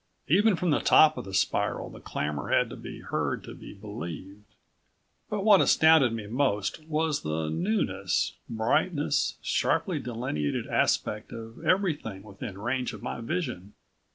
Even from the top of the spiral the clamor had to be heard to be believed. But what astounded me most was the newness, brightness, sharply delineated aspect of everything within range of my vision.